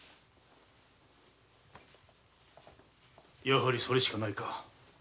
やはりそれしかないか。